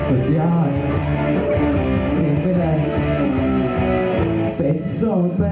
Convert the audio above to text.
หยุดมีท่าหยุดมีท่า